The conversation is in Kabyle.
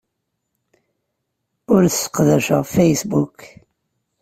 Ur sseqdacet Facebook.